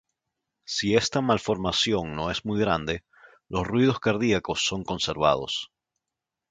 Si esta malformación no es muy grande, los ruidos cardiacos son conservados.